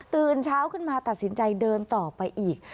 ตื่นเช้าขึ้นมาตัดสินใจเดินต่อไปอีก